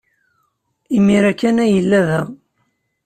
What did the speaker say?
Imir-a kan ay yella da.